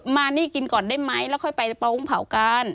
มานี่กินก่อนได้ไหมแล้วค่อยไปเป้าอุ้งเผากัน